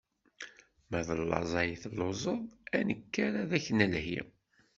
Ma d laẓ ay telluẓeḍ, ad nekker ad ak-nelhi.